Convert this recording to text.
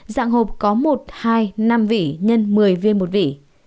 dạng hộp có một hai năm vỉ x một mươi viên một vỉ